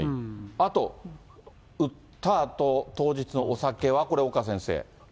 あと、打ったあと、当日のお酒は、これ、岡先生。